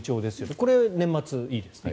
これは年末、いいですね。